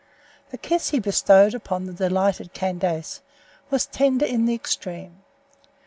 The kiss he bestowed upon the delighted Candace was tender in the extreme.